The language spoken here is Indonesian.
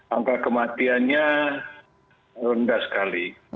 angka kematiannya rendah sekali